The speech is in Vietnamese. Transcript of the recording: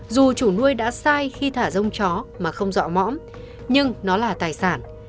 dù chủ nuôi đã sai khi thả rông chó mà không dọa mõm nhưng nó là tài sản